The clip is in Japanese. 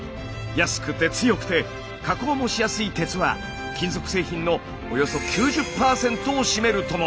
安くて強くて加工もしやすい鉄は金属製品のおよそ９０％を占めるとも。